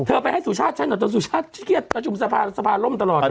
เธอไปให้สุชาติใช้หน่อยตอนสุชาติเครียดตอนจุมสภาลมตลอด